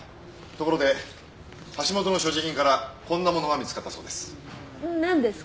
ところで橋本の所持品からこんなものが見つかったそうです。